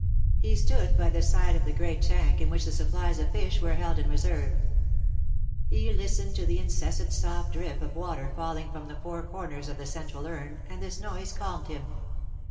He stood by the side of the great tank in which the supplies \of fish were held in reserve. He listened to the incessant soft drip of water falling from the four corners of the central urn, and this noise calmed him.